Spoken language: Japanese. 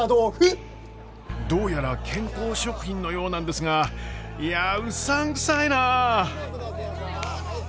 どうやら健康食品のようなんですがいやうさんくさいなあ。